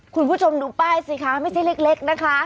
คุณผู้ชมดูป้ายสิคะไม่ใช่เล็กนะคะ